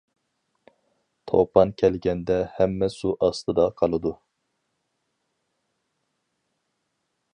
توپان كەلگەندە ھەممە سۇ ئاستىدا قالىدۇ.